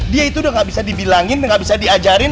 dia itu udah nggak bisa dibilangin nggak bisa diajarin